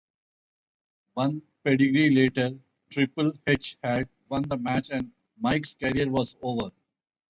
One pedigree later, Triple H had won the match and Mick's career was over.